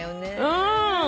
うん。